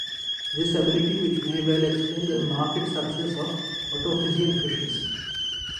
This ability which may well explain the marked success of otophysian fishes.